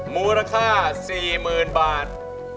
มูลค่า๔๐๐๐บาท